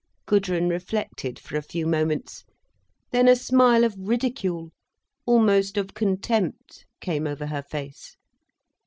Gudrun reflected for a few moments. Then a smile of ridicule, almost of contempt, came over her face.